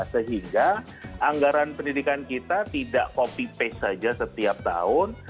sehingga anggaran pendidikan kita tidak copy paste saja setiap tahun